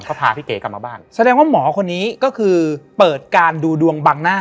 ก็พาพี่เก๋กลับมาบ้านแสดงว่าหมอคนนี้ก็คือเปิดการดูดวงบังหน้า